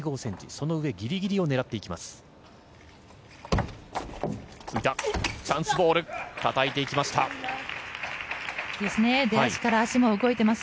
その上ギリギリを狙っていきます。